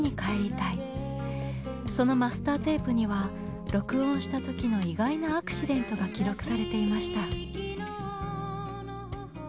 そのマスターテープには録音した時の意外なアクシデントが記録されていました。